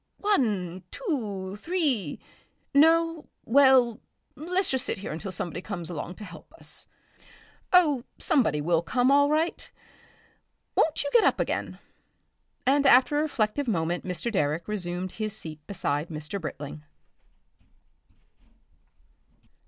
One, Two, Three!... No! Well, let's just sit here until somebody comes along to help us. Oh! Somebody will come all right. Won't you get up again?" And after a reflective moment Mr. Direck resumed his seat beside Mr. Britling....